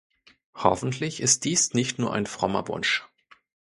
Hoffentlich ist dies nicht nur ein frommer Wunsch.